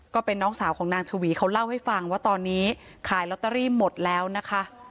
ก็เป็นน้องสาวของนางชวีเขาเล่าให้ฟังว่าตอนนี้ขายลอตเตอรี่หมดแล้วนะคะ